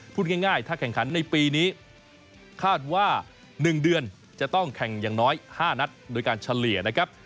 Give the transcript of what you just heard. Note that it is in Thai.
พูดง่ายถ้าแข่งขันในปีนี้คาดว่า๑เดือนจะต้องแข่งอย่างน้อย๕นัดโดยการเฉลี่ยนะครับ